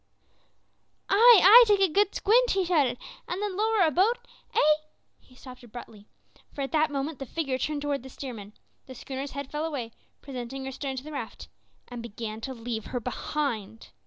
"Ay, ay, take a good squint," he shouted, "an' then lower a boat eh! " He stopped abruptly, for at that moment the figure turned towards the steersman; the schooner's head fell away, presenting her stern to the raft, and began to leave her behind.